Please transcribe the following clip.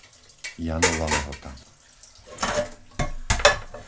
Janova Lehota